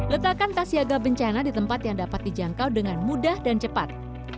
letakkan tas siaga bencana di tempat yang dapat dijangkau dengan mudah dan cepat